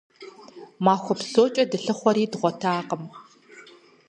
Махуэ псокӀэ дылъыхъуэри дгъуэтакъым.